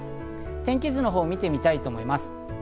天気図を見てみたいと思います。